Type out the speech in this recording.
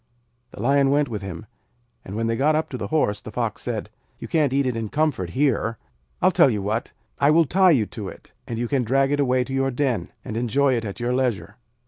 The Lion went with him, and when they got up to the Horse, the Fox said: 'You can't eat it in comfort here. I'll tell you what. I will tie it to you, and you can drag it away to your den, and enjoy it at your leisure.'